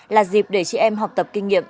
là dịp để chị em học tập kinh nghiệm